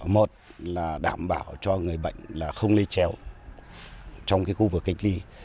một là đảm bảo cho người bệnh là không lây chéo trong khu vực cách ly